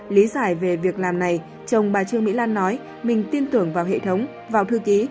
lý giải về việc làm này chồng bà trương mỹ lan nói mình tin tưởng vào hệ thống vào thư ký